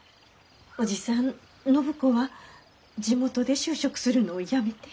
おじさん暢子は地元で就職するのをやめて。